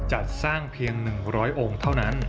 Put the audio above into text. จัดสร้างเพียง๑๐๐องค์เท่านั้น